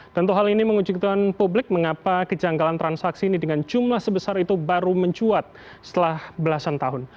tentu hal ini mengucukkan publik mengapa kejanggalan transaksi ini dengan jumlah sebesar itu baru mencuat setelah belasan tahun